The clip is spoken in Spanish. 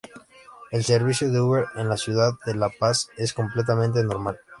El servicio de Uber en la ciudad de La Paz es completamente normal.